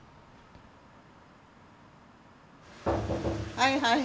はいはい。